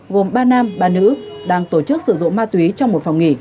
gồm ba nam ba nữ đang tổ chức sử dụng ma túy trong một phòng nghỉ